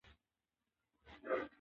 تر سړي کمه نه ده.